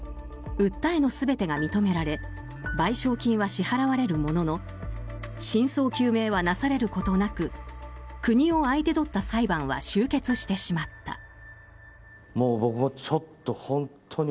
訴えの全てが認められ賠償金は支払われるものの真相究明はなされることなく国を相手取った裁判は終結してしまった。